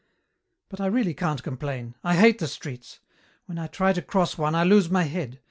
"But I really can't complain. I hate the streets. When I try to cross one I lose my head.